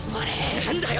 何だよ